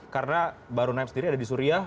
karena baru naim sendiri ada di suriah